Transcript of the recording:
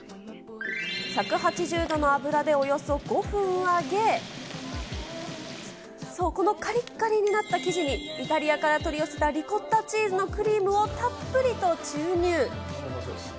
１８０度の油でおよそ５分揚げ、このかりっかりになった生地にイタリアから取り寄せたリコッタチーズのクリームをたっぷりと注入。